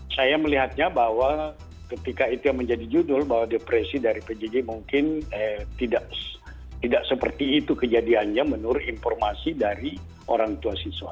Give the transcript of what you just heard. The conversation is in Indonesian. saya melihatnya bahwa ketika itu yang menjadi judul bahwa depresi dari pjj mungkin tidak seperti itu kejadiannya menurut informasi dari orang tua siswa